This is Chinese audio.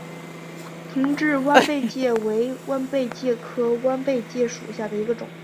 同志弯贝介为弯贝介科弯贝介属下的一个种。